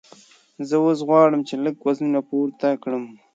زه اوس غواړم چې لږ وزنونه پورته کړم.